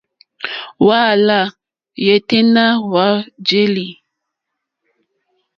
Hwá lâ yêténá hwá jēlì.